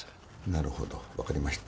なるほど分かりました。